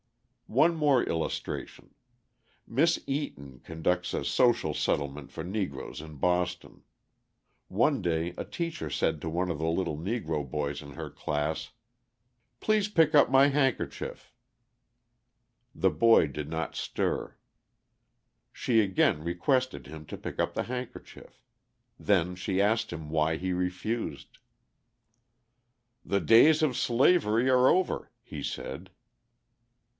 One more illustration: Miss Eaton conducts a social settlement for Negroes in Boston. One day a teacher said to one of the little Negro boys in her class: "Please pick up my handkerchief." The boy did not stir; she again requested him to pick up the handkerchief; then she asked him why he refused. "The days of slavery are over," he said.